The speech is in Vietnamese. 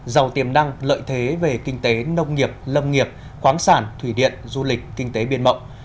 giàu tiềm năng lợi thế về kinh tế nông nghiệp lâm nghiệp khoáng sản thủy điện du lịch kinh tế biên mộng